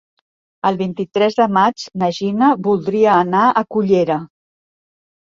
El vint-i-tres de maig na Gina voldria anar a Cullera.